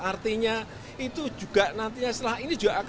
artinya itu juga nantinya setelah ini juga akan